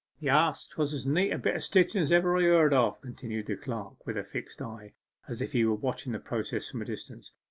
'Yes, 'twas as neat a bit of stitching as ever I heard of,' continued the clerk, with a fixed eye, as if he were watching the process from a distance.